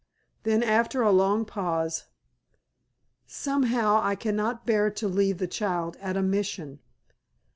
Then after a long pause, "Somehow I cannot bear to leave the child at a Mission.